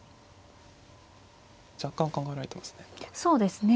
若干考えられてますね